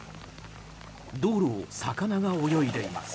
道路を魚が泳いでいます。